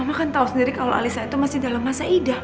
mama kan tahu sendiri kalau alisa itu masih dalam masa idah ma